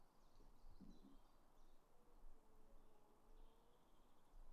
Seme-alabek jakin behar dute gurasoek babesa eman dezaketela.